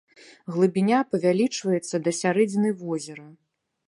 Глыбіня павялічваецца да сярэдзіны возера.